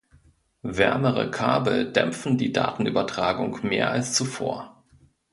Wärmere Kabel dämpfen die Datenübertragung mehr als zuvor.